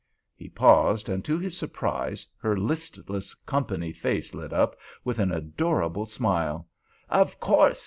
He paused, and to his surprise her listless "company" face lit up with an adorable smile. "Of course!